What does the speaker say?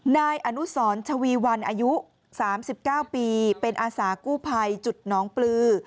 นายอนุสรชวีวันอายุ๓๙ปีเป็นอาสากู้ภัยจุดน้องปลือ